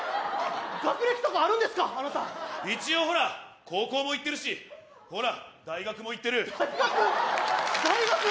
学歴とかあるんですかあなた一応ほら高校も行ってるしほら大学も行ってる大学大学？